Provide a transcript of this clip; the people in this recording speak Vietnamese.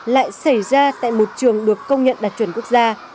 câu chuyện này lại xảy ra tại một trường được công nhận đạt chuẩn quốc gia